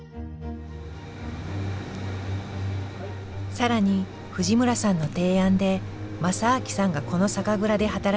更に藤村さんの提案で昌明さんがこの酒蔵で働き